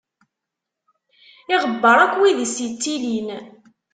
Iɣebbeṛ akk wid i s-yettilin.